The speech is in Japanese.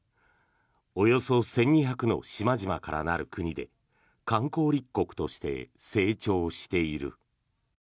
およそ１２００の島々からなる国で観光立国として成長している。